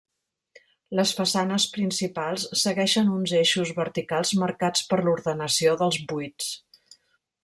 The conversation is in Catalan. Les façanes principals segueixen uns eixos verticals marcats per l'ordenació dels buits.